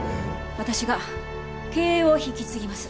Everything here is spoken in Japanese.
私が経営を引き継ぎます。